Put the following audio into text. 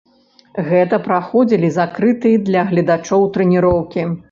Гэта праходзілі закрытыя для гледачоў трэніроўкі.